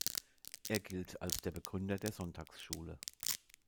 Er gilt als der Begründer der Sonntagsschule.